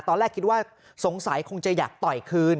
ตอนแรกคิดว่าสงสัยคงจะอยากต่อยคืน